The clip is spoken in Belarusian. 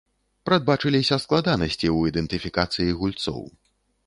Прадбачыліся складанасці ў ідэнтыфікацыі гульцоў.